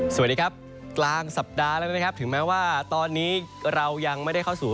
สวัสดีครับกลางสัปดาห์แล้วนะครับถึงแม้ว่าตอนนี้เรายังไม่ได้เข้าสู่